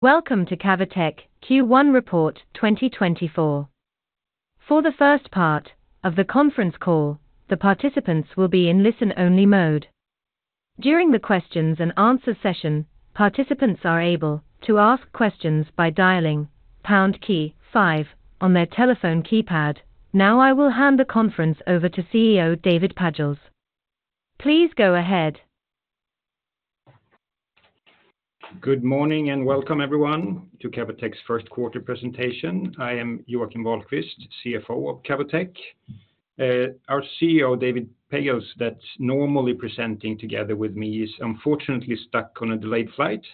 Welcome to Cavotec Q1 Report 2024. For the first part of the conference call, the participants will be in listen-only mode. During the questions and answer session, participants are able to ask questions by dialing pound key five on their telephone keypad. Now, I will hand the conference over to CEO, David Pagels. Please go ahead. Good morning, and welcome everyone to Cavotec's first quarter presentation. I am Joakim Wahlquist, CFO of Cavotec. Our CEO, David Pagels, that's normally presenting together with me, is unfortunately stuck on a delayed flight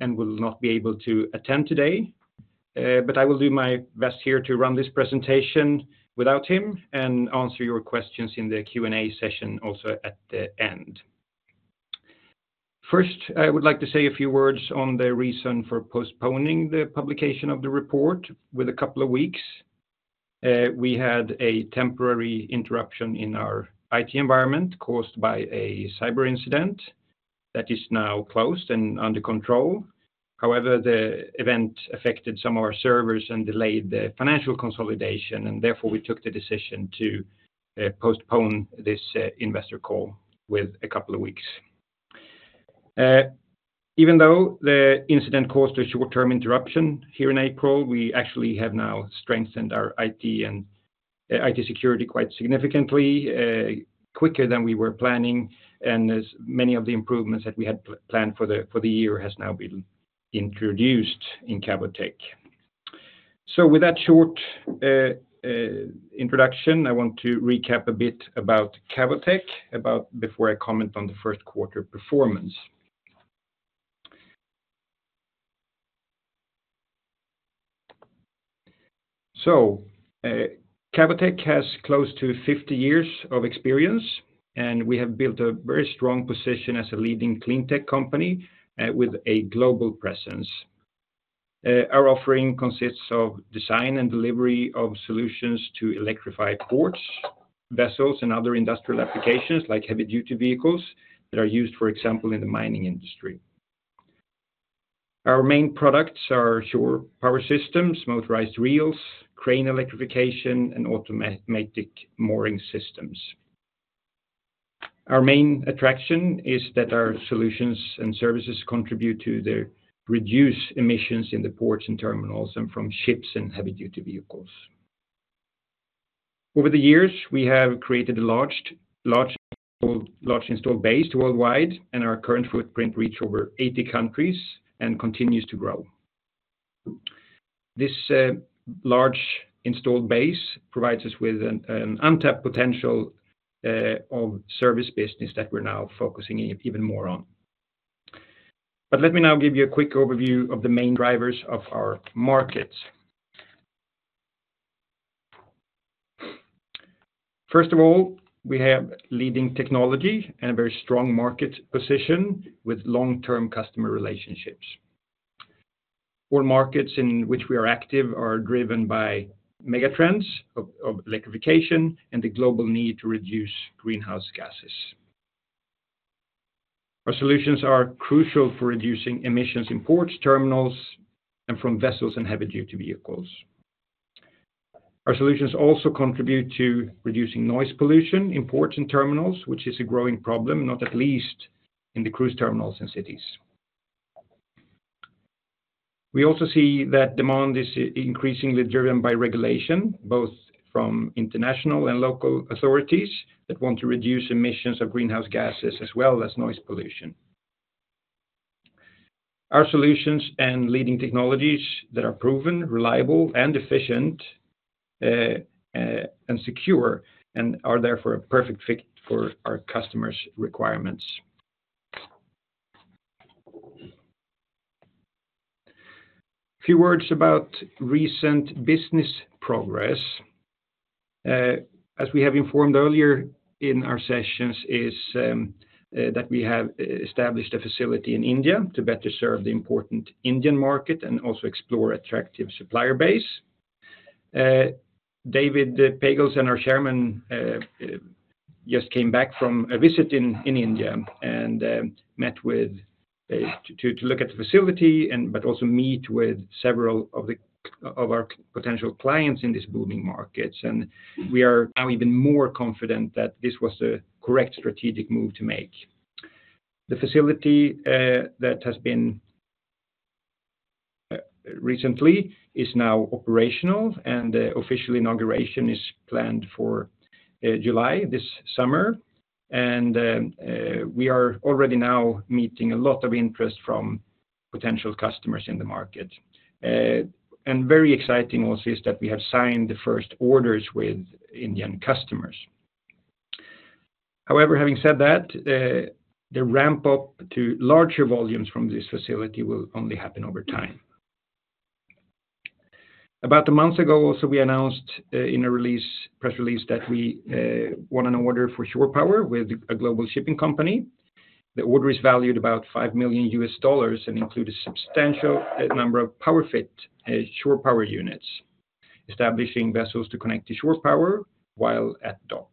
and will not be able to attend today. But I will do my best here to run this presentation without him and answer your questions in the Q&A session also at the end. First, I would like to say a few words on the reason for postponing the publication of the report with a couple of weeks. We had a temporary interruption in our IT environment caused by a cyber incident that is now closed and under control. However, the event affected some of our servers and delayed the financial consolidation, and therefore, we took the decision to postpone this investor call with a couple of weeks. Even though the incident caused a short-term interruption here in April, we actually have now strengthened our IT and IT security quite significantly, quicker than we were planning, and as many of the improvements that we had planned for the year has now been introduced in Cavotec. With that short introduction, I want to recap a bit about Cavotec before I comment on the first quarter performance. Cavotec has close to 50 years of experience, and we have built a very strong position as a leading clean tech company with a global presence. Our offering consists of design and delivery of solutions to electrify ports, vessels, and other industrial applications, like heavy-duty vehicles that are used, for example, in the mining industry. Our main products are shore power systems, motorized reels, crane electrification, and automatic mooring systems. Our main attraction is that our solutions and services contribute to the reduced emissions in the ports and terminals and from ships and heavy-duty vehicles. Over the years, we have created a large installed base worldwide, and our current footprint reach over 80 countries and continues to grow. This large installed base provides us with an untapped potential of service business that we're now focusing even more on. But let me now give you a quick overview of the main drivers of our markets. First of all, we have leading technology and a very strong market position with long-term customer relationships. All markets in which we are active are driven by mega trends of electrification and the global need to reduce greenhouse gases. Our solutions are crucial for reducing emissions in ports, terminals, and from vessels and heavy-duty vehicles. Our solutions also contribute to reducing noise pollution in ports and terminals, which is a growing problem, not at least in the cruise terminals and cities. We also see that demand is increasingly driven by regulation, both from international and local authorities, that want to reduce emissions of greenhouse gases as well as noise pollution. Our solutions and leading technologies that are proven, reliable, and efficient, and secure, and are therefore a perfect fit for our customers' requirements. A few words about recent business progress. As we have informed earlier in our sessions, that we have established a facility in India to better serve the important Indian market and also explore attractive supplier base. David Pagels and our chairman just came back from a visit in India and met with to look at the facility and but also meet with several of our potential clients in this booming markets, and we are now even more confident that this was the correct strategic move to make. The facility that has been recently is now operational, and the official inauguration is planned for July this summer. And we are already now meeting a lot of interest from potential customers in the market. And very exciting also is that we have signed the first orders with Indian customers. However, having said that, the ramp up to larger volumes from this facility will only happen over time. About a month ago, also, we announced in a press release that we won an order for shore power with a global shipping company. The order is valued about $5 million and include a substantial number of PowerFit shore power units, establishing vessels to connect to shore power while at dock.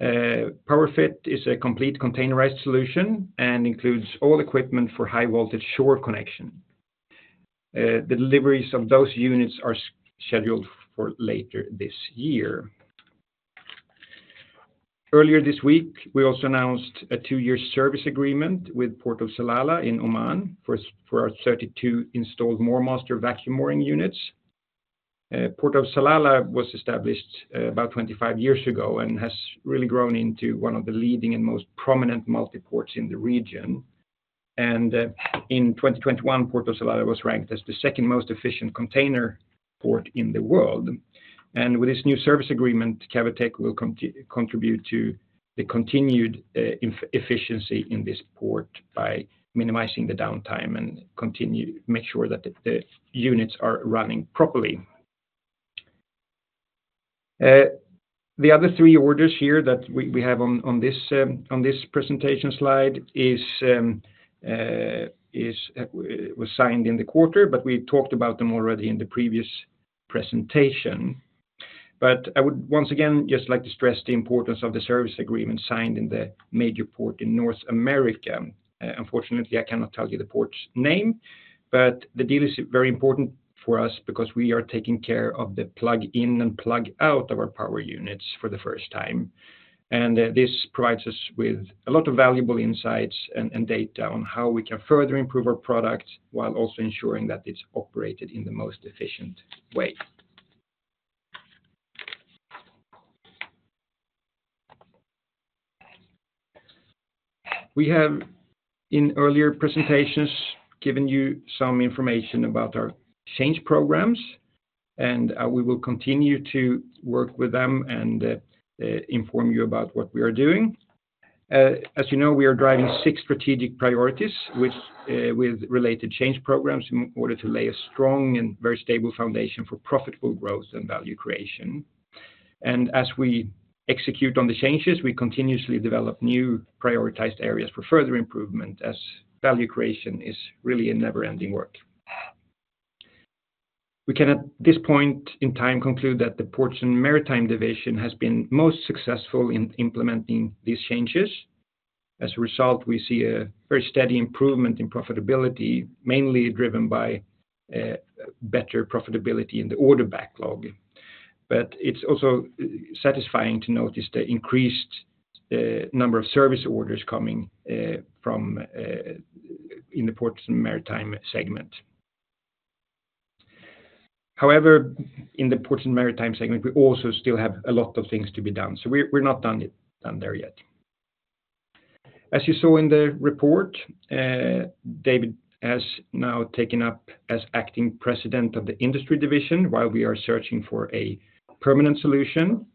PowerFit is a complete containerized solution and includes all equipment for high-voltage shore connection. The deliveries of those units are scheduled for later this year. Earlier this week, we also announced a two-year service agreement with Port of Salalah in Oman for our 32 installed MoorMaster vacuum mooring units. Port of Salalah was established about 25 years ago and has really grown into one of the leading and most prominent multi-ports in the region. In 2021, Port of Salalah was ranked as the second most efficient container port in the world. With this new service agreement, Cavotec will contribute to the continued efficiency in this port by minimizing the downtime and make sure that the units are running properly. The other three orders here that we have on this presentation slide was signed in the quarter, but we talked about them already in the previous presentation. But I would once again just like to stress the importance of the service agreement signed in the major port in North America. Unfortunately, I cannot tell you the port's name, but the deal is very important for us because we are taking care of the plug-in and plug-out of our power units for the first time. And, this provides us with a lot of valuable insights and data on how we can further improve our product, while also ensuring that it's operated in the most efficient way. We have, in earlier presentations, given you some information about our change programs, and we will continue to work with them and inform you about what we are doing. As you know, we are driving six strategic priorities, which, with related change programs, in order to lay a strong and very stable foundation for profitable growth and value creation. And as we execute on the changes, we continuously develop new prioritized areas for further improvement, as value creation is really a never-ending work. We can, at this point in time, conclude that the Ports and Maritime Division has been most successful in implementing these changes. As a result, we see a very steady improvement in profitability, mainly driven by better profitability in the order backlog. But it's also satisfying to notice the increased number of service orders coming from in the Ports and Maritime segment. However, in the Ports and Maritime segment, we also still have a lot of things to be done, so we're not done there yet. As you saw in the report, David has now taken up as acting President of the Industry Division, while we are searching for a permanent solution.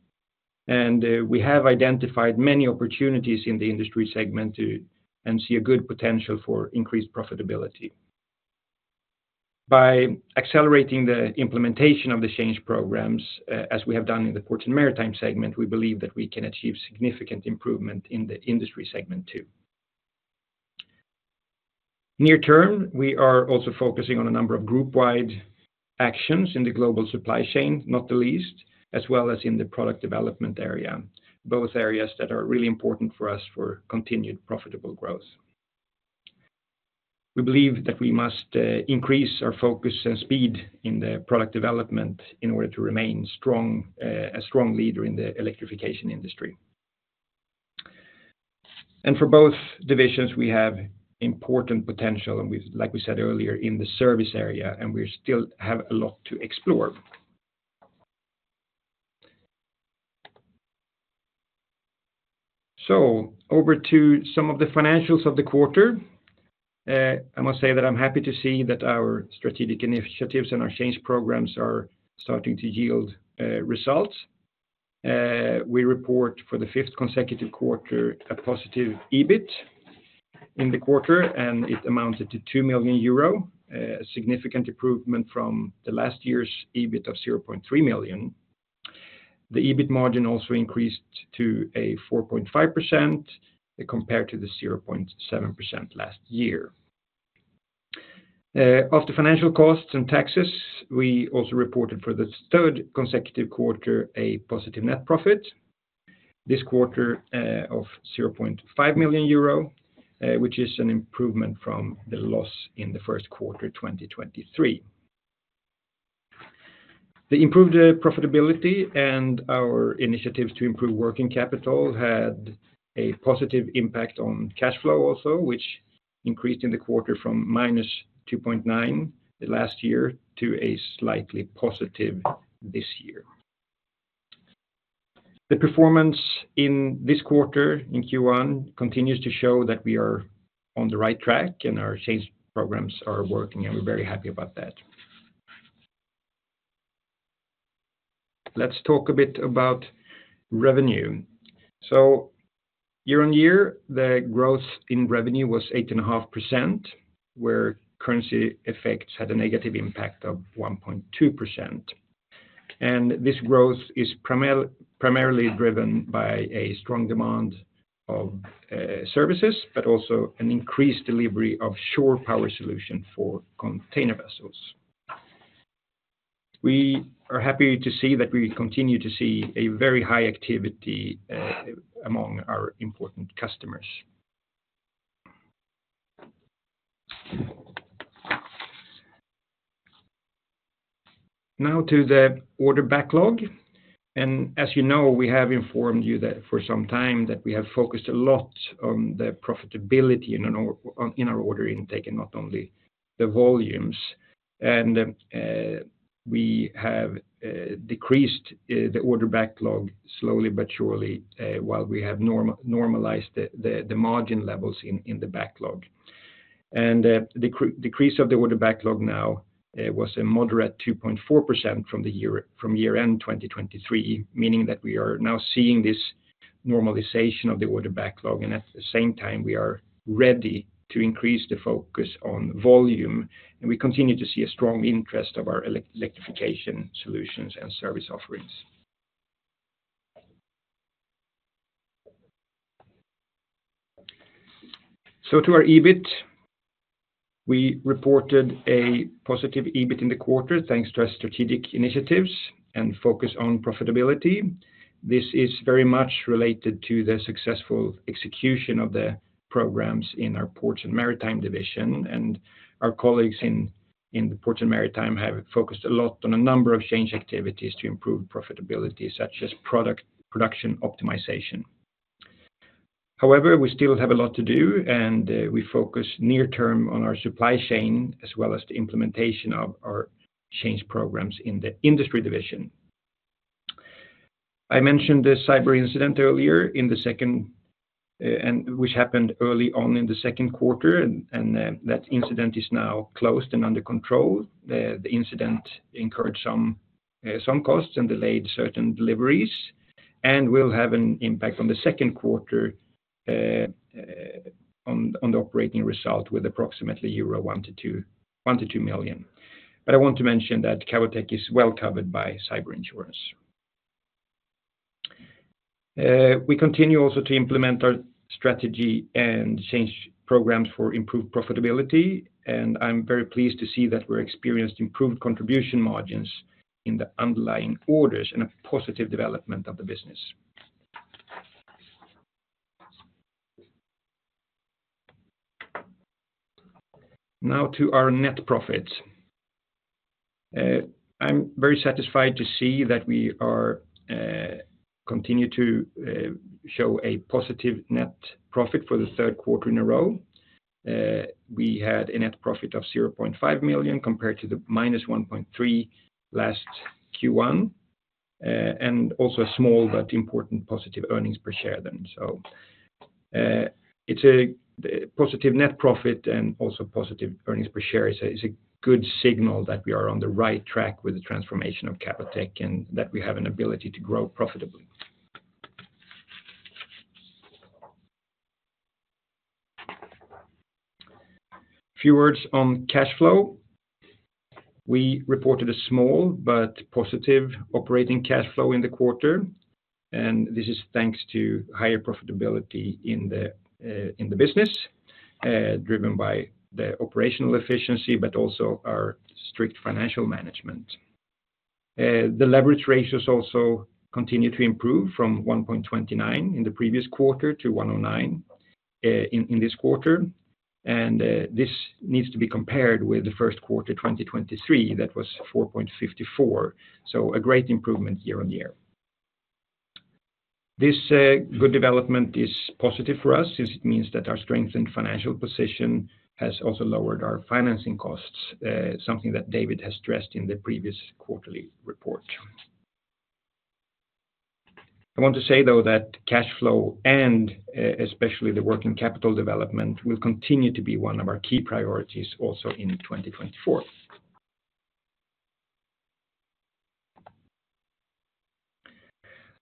And we have identified many opportunities in the Industry segment to and see a good potential for increased profitability. By accelerating the implementation of the change programs, as we have done in the ports and maritime segment, we believe that we can achieve significant improvement in the industry segment, too. Near term, we are also focusing on a number of group-wide actions in the global supply chain, not the least, as well as in the product development area, both areas that are really important for us for continued profitable growth. We believe that we must increase our focus and speed in the product development in order to remain strong, a strong leader in the electrification industry. And for both divisions, we have important potential, and we, like we said earlier, in the service area, and we still have a lot to explore. So over to some of the financials of the quarter. I must say that I'm happy to see that our strategic initiatives and our change programs are starting to yield results. We report for the fifth consecutive quarter, a positive EBIT in the quarter, and it amounted to 2 million euro, a significant improvement from the last year's EBIT of 0.3 million. The EBIT margin also increased to 4.5% compared to the 0.7% last year. Of the financial costs and taxes, we also reported for the third consecutive quarter, a positive net profit. This quarter, of 0.5 million euro, which is an improvement from the loss in the first quarter, 2023. The improved profitability and our initiatives to improve working capital had a positive impact on cash flow also, which increased in the quarter from -2.9 million last year to a slightly positive this year. The performance in this quarter, in Q1, continues to show that we are on the right track, and our change programs are working, and we're very happy about that. Let's talk a bit about revenue. Year on year, the growth in revenue was 8.5%, where currency effects had a negative impact of 1.2%. This growth is primarily driven by a strong demand of services, but also an increased delivery of shore power solution for container vessels. We are happy to see that we continue to see a very high activity among our important customers. Now to the order backlog, and as you know, we have informed you that for some time that we have focused a lot on the profitability in our order intake and not only the volumes, and we have decreased the order backlog slowly but surely while we have normalized the margin levels in the backlog. The decrease of the order backlog now was a moderate 2.4% from year-end 2023, meaning that we are now seeing this normalization of the order backlog, and at the same time, we are ready to increase the focus on volume, and we continue to see a strong interest of our electrification solutions and service offerings. So to our EBIT, we reported a positive EBIT in the quarter, thanks to our strategic initiatives and focus on profitability. This is very much related to the successful execution of the programs in our Ports and Maritime division, and our colleagues in the Ports and Maritime have focused a lot on a number of change activities to improve profitability, such as production optimization. However, we still have a lot to do, and we focus near term on our supply chain, as well as the implementation of our change programs in the industry division. I mentioned the cyber incident earlier in the second quarter, and which happened early on in the second quarter, and that incident is now closed and under control. The incident encouraged some some costs and delayed certain deliveries, and will have an impact on the second quarter on the operating result with approximately euro 1-2 million. But I want to mention that Cavotec is well covered by cyber insurance. We continue also to implement our strategy and change programs for improved profitability, and I'm very pleased to see that we're experienced improved contribution margins in the underlying orders and a positive development of the business. Now to our net profits. I'm very satisfied to see that we are continue to show a positive net profit for the third quarter in a row. We had a net profit of 0.5 million compared to the minus 1.3 million last Q1, and also a small but important positive earnings per share then. So, the positive net profit and also positive earnings per share is a good signal that we are on the right track with the transformation of Cavotec, and that we have an ability to grow profitably. A few words on cash flow. We reported a small but positive operating cash flow in the quarter, and this is thanks to higher profitability in the business driven by the operational efficiency, but also our strict financial management. The leverage ratios also continue to improve from 1.29 in the previous quarter to 1.09 in this quarter, and this needs to be compared with the first quarter, 2023, that was 4.54, so a great improvement year on year. This good development is positive for us, since it means that our strengthened financial position has also lowered our financing costs, something that David has stressed in the previous quarterly report. I want to say, though, that cash flow, and especially the working capital development, will continue to be one of our key priorities also in 2024.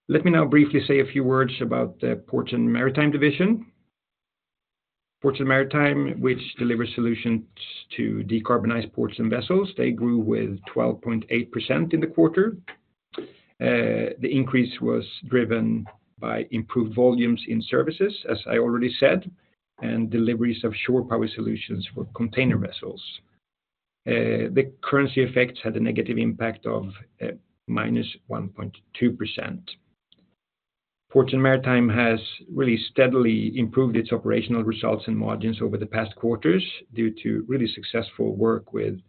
Let me now briefly say a few words about the Ports and Maritime division. Ports and Maritime, which delivers solutions to decarbonize ports and vessels, they grew with 12.8% in the quarter. The increase was driven by improved volumes in services, as I already said, and deliveries of shore power solutions for container vessels. The currency effects had a negative impact of -1.2%. Ports and Maritime has really steadily improved its operational results and margins over the past quarters due to really successful work with,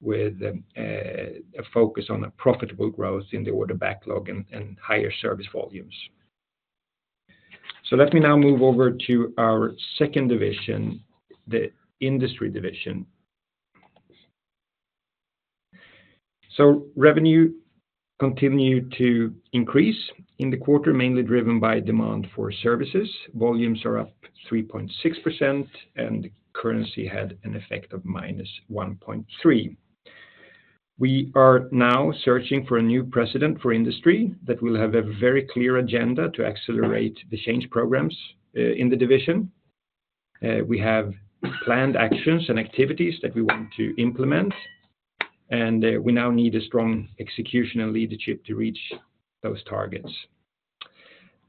with, a focus on a profitable growth in the order backlog and, and higher service volumes. So let me now move over to our second division, the Industry division. So revenue continued to increase in the quarter, mainly driven by demand for services. Volumes are up 3.6%, and currency had an effect of -1.3. We are now searching for a new president for Industry that will have a very clear agenda to accelerate the change programs in the division. We have planned actions and activities that we want to implement, and, we now need a strong execution and leadership to reach those targets.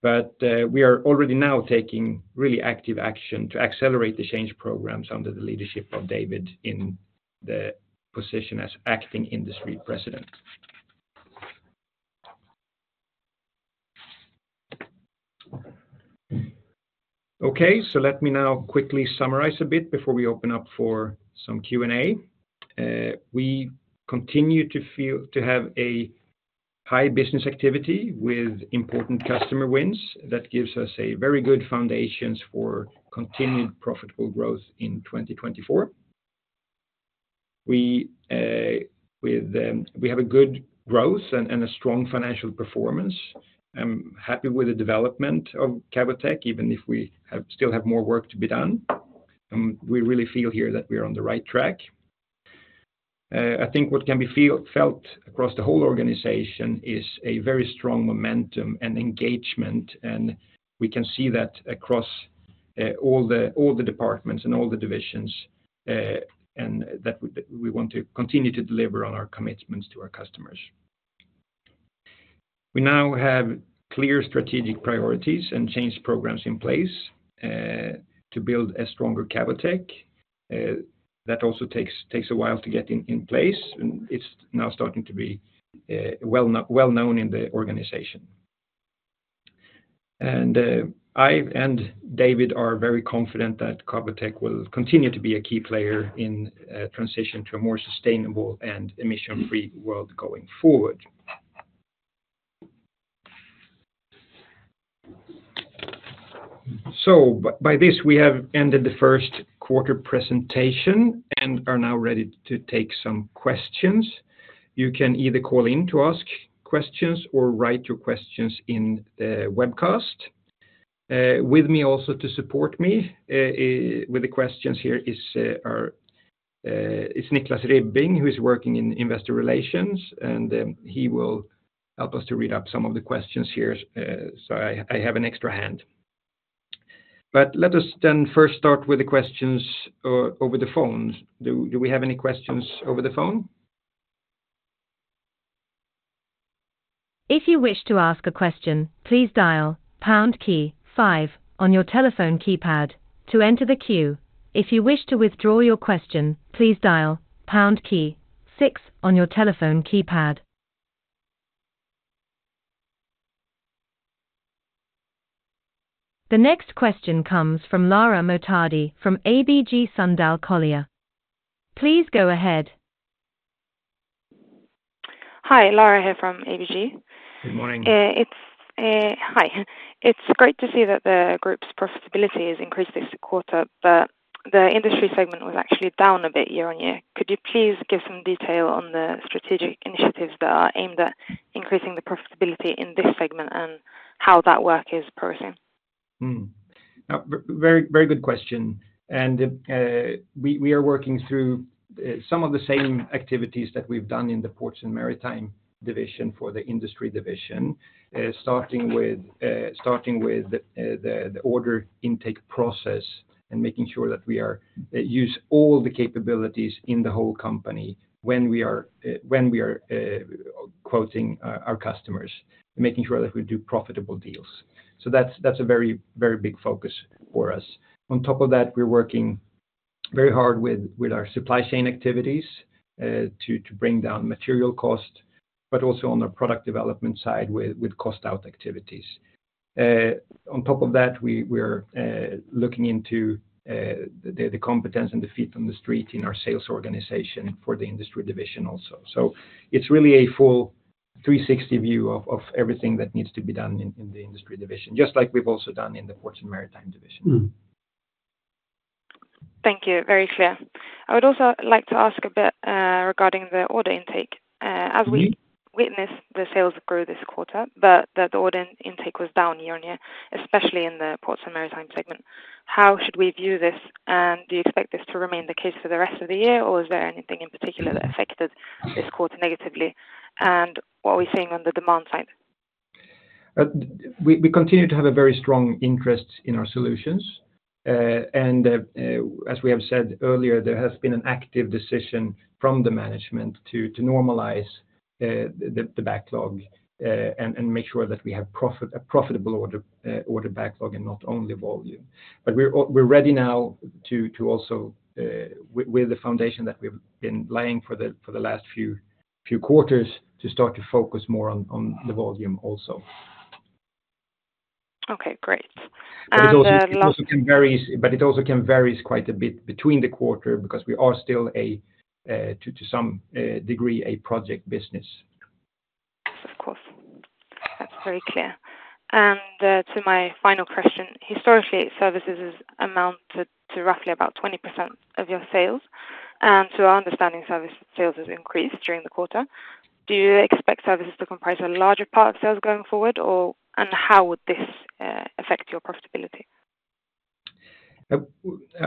We are already now taking really active action to accelerate the change programs under the leadership of David in the position as acting Industry President. Okay, let me now quickly summarize a bit before we open up for some Q&A. We continue to have a high business activity with important customer wins. That gives us a very good foundation for continued profitable growth in 2024. We have a good growth and a strong financial performance. I'm happy with the development of Cavotec, even if we still have more work to be done. We really feel here that we are on the right track. I think what can be felt across the whole organization is a very strong momentum and engagement, and we can see that across all the departments and all the divisions, and that we want to continue to deliver on our commitments to our customers. We now have clear strategic priorities and change programs in place to build a stronger Cavotec that also takes a while to get in place, and it's now starting to be well known in the organization. And I and David are very confident that Cavotec will continue to be a key player in transition to a more sustainable and emission-free world going forward. So by this, we have ended the first quarter presentation and are now ready to take some questions. You can either call in to ask questions or write your questions in the webcast. With me also to support me with the questions here is Niklas Ribbing, who is working in Investor Relations, and he will help us to read up some of the questions here, so I have an extra hand. But let us then first start with the questions over the phone. Do we have any questions over the phone? If you wish to ask a question, please dial pound key five on your telephone keypad to enter the queue. If you wish to withdraw your question, please dial pound key six on your telephone keypad. The next question comes from Lara Mohtadi from ABG Sundal Collier. Please go ahead. Hi, Lara here from ABG. Good morning. Hi. It's great to see that the group's profitability has increased this quarter, but the industry segment was actually down a bit year-on-year. Could you please give some detail on the strategic initiatives that are aimed at increasing the profitability in this segment and how that work is progressing? Very, very good question. And, we are working through some of the same activities that we've done in the ports and maritime division for the industry division, starting with the order intake process and making sure that we are use all the capabilities in the whole company when we are quoting our customers, making sure that we do profitable deals. So that's a very, very big focus for us. On top of that, we're working very hard with our supply chain activities to bring down material cost, but also on the product development side with cost out activities. On top of that, we're looking into the competence and the feet on the street in our sales organization for the industry division also. It's really a full 360 view of everything that needs to be done in the Industry Division, just like we've also done in the Ports and Maritime Division. Hmm. Thank you. Very clear. I would also like to ask a bit regarding the order intake. Mm-hmm... as we witness the sales grow this quarter, but the order intake was down year-over-year, especially in the ports and maritime segment. How should we view this? And do you expect this to remain the case for the rest of the year, or is there anything in particular that affected this quarter negatively? And what are we seeing on the demand side? We continue to have a very strong interest in our solutions. As we have said earlier, there has been an active decision from the management to normalize the backlog and make sure that we have a profitable order backlog and not only volume. But we're ready now to also, with the foundation that we've been laying for the last few quarters, to start to focus more on the volume also. Okay, great. And, last- But it also can vary quite a bit between the quarter because we are still, to some degree, a project business. Of course. That's very clear. And to my final question: Historically, services has amounted to roughly about 20% of your sales, and to our understanding, service sales has increased during the quarter. Do you expect services to comprise a larger part of sales going forward, or and how would this affect your profitability?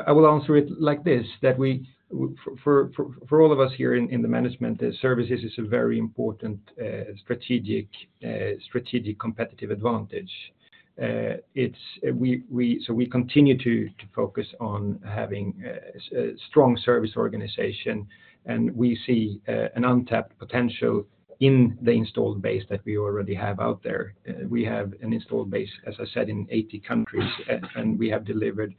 I will answer it like this, that we for all of us here in the management, the services is a very important strategic competitive advantage. It's... We, we, so we continue to focus on having a strong service organization, and we see an untapped potential in the installed base that we already have out there. We have an installed base, as I said, in 80 countries, and we have delivered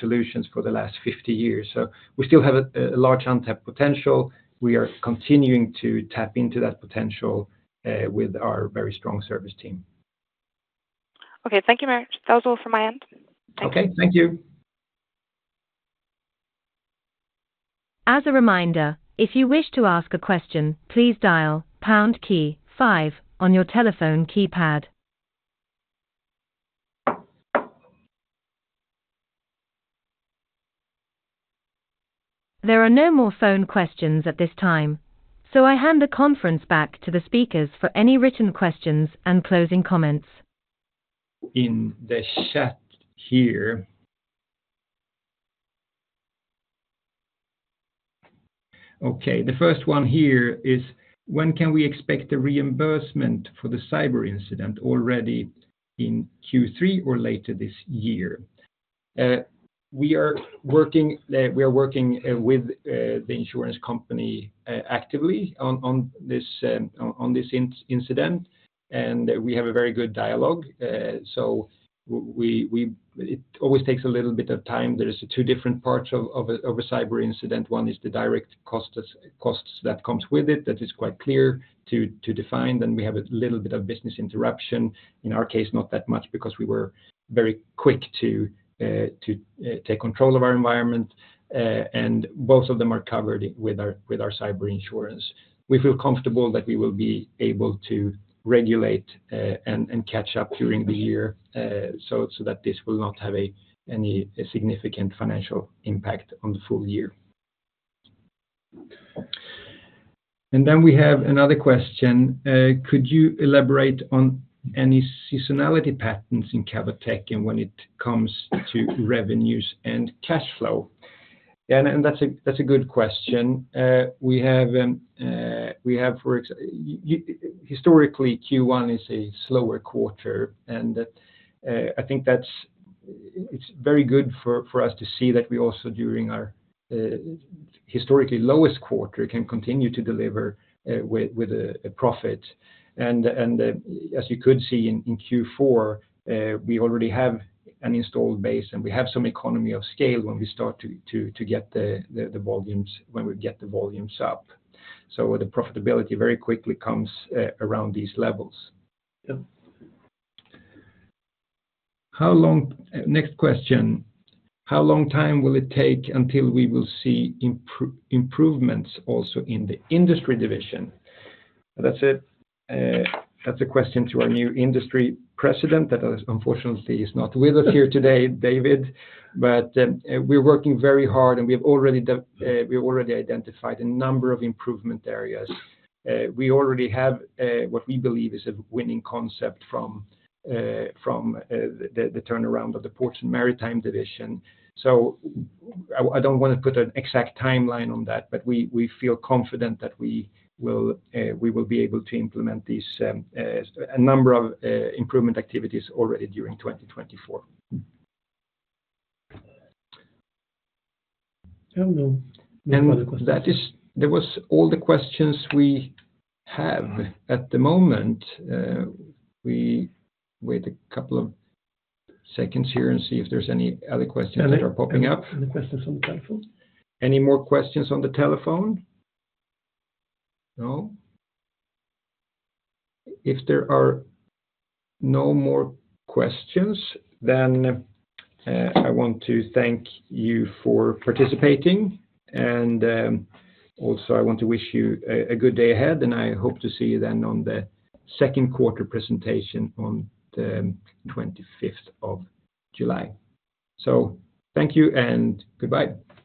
solutions for the last 50 years. So we still have a large untapped potential. We are continuing to tap into that potential with our very strong service team. Okay. Thank you, Mert. That was all from my end. Okay, thank you. As a reminder, if you wish to ask a question, please dial pound key five on your telephone keypad. There are no more phone questions at this time, so I hand the conference back to the speakers for any written questions and closing comments. In the chat here. Okay, the first one here is: When can we expect the reimbursement for the cyber incident, already in Q3 or later this year? We are working with the insurance company actively on this incident, and we have a very good dialogue. So it always takes a little bit of time. There is two different parts of a cyber incident. One is the direct costs that comes with it. That is quite clear to define. Then we have a little bit of business interruption. In our case, not that much because we were very quick to take control of our environment, and both of them are covered with our cyber insurance. We feel comfortable that we will be able to regulate and catch up during the year, so that this will not have any significant financial impact on the full year. Then we have another question. Could you elaborate on any seasonality patterns in Cavotec and when it comes to revenues and cash flow? And that's a good question. We have historically, Q1 is a slower quarter, and I think that's very good for us to see that we also, during our historically lowest quarter, can continue to deliver with a profit. As you could see in Q4, we already have an installed base, and we have some economy of scale when we start to get the volumes up. So the profitability very quickly comes around these levels. How long... next question: How long time will it take until we will see improvements also in the industry division? That's a, that's a question to our new Industry President that, unfortunately is not with us here today, David. But, we're working very hard, and we have already, we've already identified a number of improvement areas. We already have, what we believe is a winning concept from, from, the, the turnaround of the Ports and Maritime division. So I, I don't wanna put an exact timeline on that, but we, we feel confident that we will, we will be able to implement these, a number of, improvement activities already during 2024. I don't know. Any other questions? That was all the questions we have at the moment. We wait a couple of seconds here and see if there's any other questions that are popping up. Any questions on the telephone? Any more questions on the telephone? No. If there are no more questions, then I want to thank you for participating, and also, I want to wish you a good day ahead, and I hope to see you then on the second quarter presentation on the twenty-fifth of July. So thank you and goodbye.